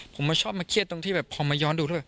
ผมชอบมาเครียดตรงที่แบบพอมาย้อนดูแล้วแบบ